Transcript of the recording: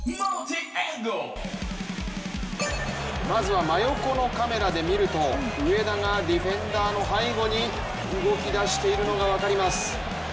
まずは真横のカメラで見ると上田がディフェンダーの背後に動きだしているのが分かります。